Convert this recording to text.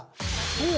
そう！